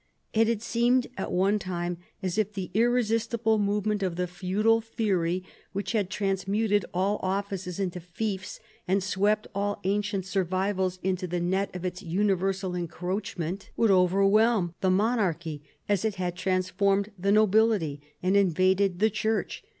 It had seemed at one time as if the irresistible movement of the feudal theory, which had transmuted all offices into fiefs, and swept all ancient survivals into the net of its universal encroachment, would overwhelm the mon archy as it had transformed the nobility and invaded the Church.